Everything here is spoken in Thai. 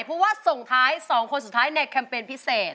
เพราะว่าส่งท้าย๒คนสุดท้ายในแคมเปญพิเศษ